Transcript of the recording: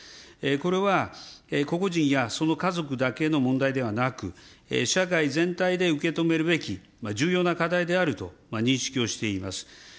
これは個々人やその家族だけの問題ではなく、社会全体で受け止めるべき、重要な課題であると認識をしています。